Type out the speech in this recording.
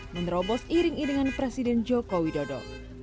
menerobos iring iringan presiden jokowi dodo